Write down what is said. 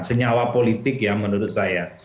senyawa politik ya menurut saya